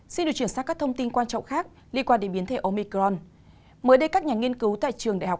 xin được chuyển sang các thông tin quan trọng khác liên quan đến biến thể omicron mới đây các nhà nghiên cứu tại trường đại học